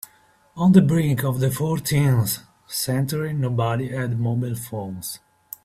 On the brink of the fourteenth century, nobody had mobile phones.